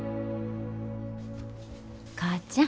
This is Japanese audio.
母ちゃん。